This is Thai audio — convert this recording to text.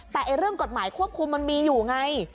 แต่เรื่องกฎหมายควบคุมมันมีอยู่ไง